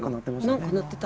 何か鳴ってた？